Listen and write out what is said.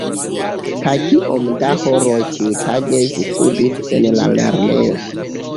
Kaj kiom da horoj ĉiutage vi studis en la lernejo?